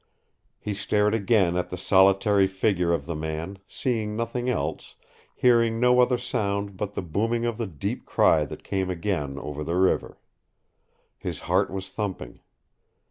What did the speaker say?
He stared again at the solitary figure of the man, seeing nothing else, hearing no other sound but the booming of the deep cry that came again over the river. His heart was thumping.